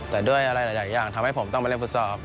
แต่ด้วยอะไรหลายอย่างทำให้ผมต้องไปเล่นฟุตซอล